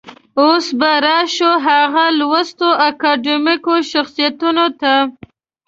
اوس به راشو هغه لوستو اکاډمیکو شخصيتونو ته.